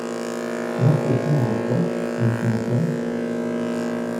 M’en faites-vous un reproche, monsieur Antoine ?